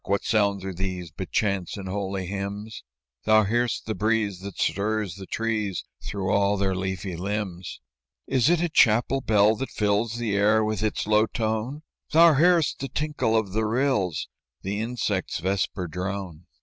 What sounds are these But chants and holy hymns?" "Thou hear'st the breeze that stirs the trees Through all their leafy limbs." "Is it a chapel bell that fills The air with its low tone?" "Thou hear'st the tinkle of the rills, The insect's vesper drone."